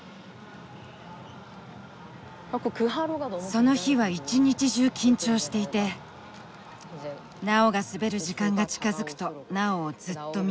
その日は一日中緊張していてナオが滑る時間が近づくとナオをずっと見守っていた。